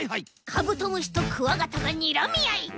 カブトムシとクワガタがにらみあい！